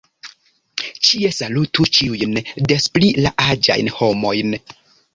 Ĉie salutu ĉiujn, des pli la aĝajn homojn.